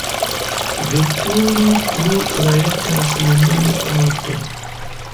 Veturi plu rajtas neniu aŭto.